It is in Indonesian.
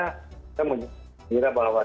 kita mengira bahwa